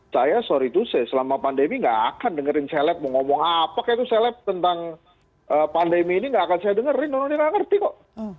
saya sorry to say selama pandemi nggak akan dengerin seleb mau ngomong apa kayak itu seleb tentang pandemi ini nggak akan saya dengerin orang tidak ngerti kok